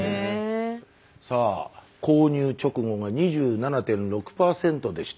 さあ購入直後が２７．６％でした。